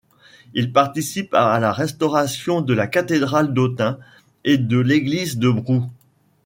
Il participe à la restauration de la cathédrale d’Autun et de l’église de Brou.